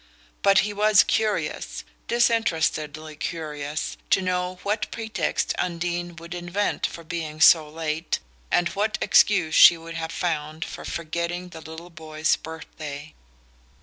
But he was curious disinterestedly curious to know what pretext Undine would invent for being so late, and what excuse she would have found for forgetting the little boy's birthday.